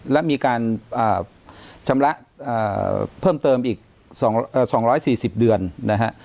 และมีการชำระเพิ่มเติมอีก๒๔๐เดือนนะฮะ